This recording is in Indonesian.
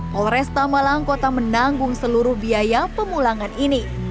polresta malang kota menanggung seluruh biaya pemulangan ini